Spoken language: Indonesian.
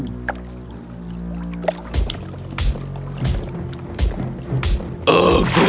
tapi kamu tidak tahu